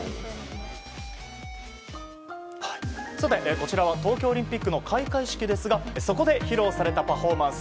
こちらは東京オリンピックの開会式ですがそこで披露されたパフォーマンス